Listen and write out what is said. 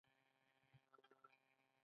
آیا د یو ښه او کامیاب سیستم نه دی؟